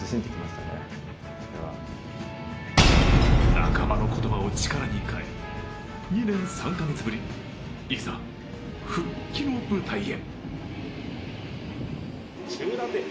仲間の言葉を力に変え２年３か月ぶり、いざ復帰の舞台へ。